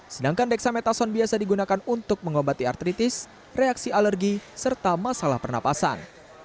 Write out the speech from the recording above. sedangkan dexamethason biasa digunakan untuk mengobati artritis reaksi alergi serta masalah pernapasan